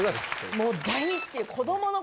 もう大好きで。